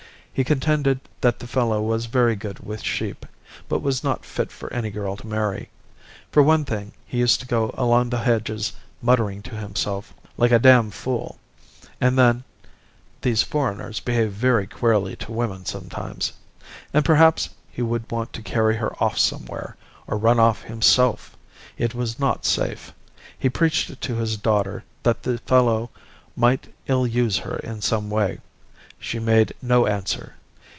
He contended that the fellow was very good with sheep, but was not fit for any girl to marry. For one thing, he used to go along the hedges muttering to himself like a dam' fool; and then, these foreigners behave very queerly to women sometimes. And perhaps he would want to carry her off somewhere or run off himself. It was not safe. He preached it to his daughter that the fellow might ill use her in some way. She made no answer.